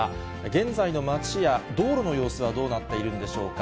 現在の街や道路の様子はどうなっているんでしょうか。